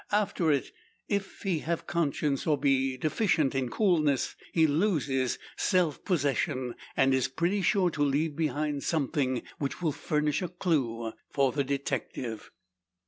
After it, if he have conscience, or be deficient in coolness, he loses self possession, and is pretty sure to leave behind something which will furnish a clue for the detective.